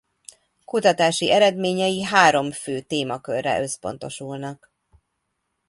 Kutatási eredményei három fő témakörre összpontosulnak.